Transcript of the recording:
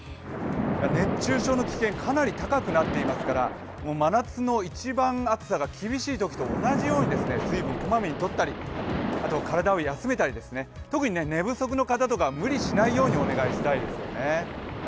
熱中症の危険かなり高くなっていますから真夏の一番暑さが厳しいときと同じように水分、小まめにとったり体を休めたり、特に寝不足の方とか無理しないようにお願いしたいですよね。